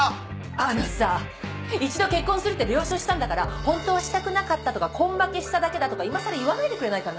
あのさ一度結婚するって了承したんだから「本当はしたくなかった」とか「根負けしただけだ」とか今更言わないでくれないかな。